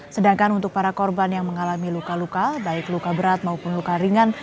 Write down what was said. sedangkan untuk para korban yang mengalami luka luka baik luka berat maupun luka ringan